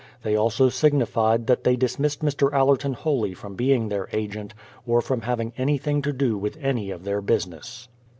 They also signified that they dismissed Mr. Allerton wholly from being their agent, or from having anything to do with any of their business.